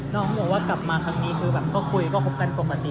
เขาบอกว่ากลับมาครั้งนี้คือแบบก็คุยก็คบกันปกติ